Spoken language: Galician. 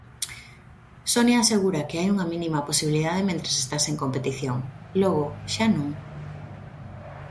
Sonia asegura que hai unha mínima posibilidade mentres estás en competición, logo xa non.